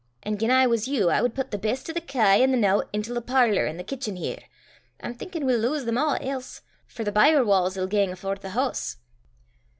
An' gien I was you, I wad pit the best o' the kye an' the nowt intil the parlour an' the kitchen here. I'm thinkin' we'll lowse them a' else; for the byre wa's 'll gang afore the hoose."